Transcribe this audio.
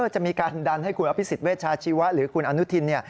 จะมีการดันให้คุณอภิษฎเวชาชีวะหรือคุณอนุทิน